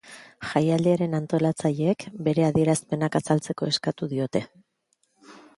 Jaialdiaren antolatzaileek bere adierazpenak azaltzeko eskatu diote.